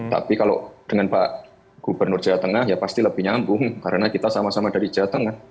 tapi kalau dengan pak gubernur jawa tengah ya pasti lebih nyambung karena kita sama sama dari jawa tengah